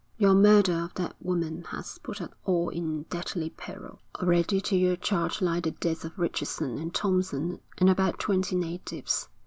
Your murder of that woman has put us all in deadly peril. Already to your charge lie the deaths of Richardson and Thompson and about twenty natives.